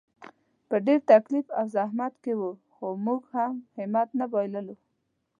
په ډېر تکلیف او زحمت کې وو، خو موږ هم همت نه بایللو.